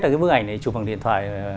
trước hết là bức ảnh này chụp bằng điện thoại